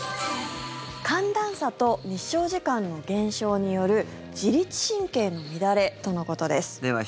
寒暖差と日照時間の減少による自律神経の乱れとのことです。